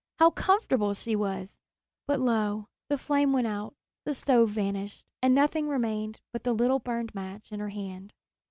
How comfortable she was! But lo! the flame went out, the stove vanished, and nothing remained but the little burned match in her hand.